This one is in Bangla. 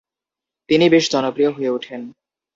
তিনি বেশ জনপ্রিয় হয়ে উঠেন।